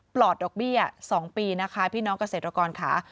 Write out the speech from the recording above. ปลดดอกเบี้ย๒ปีนะคะพี่น้องเกษตรกรค่ะ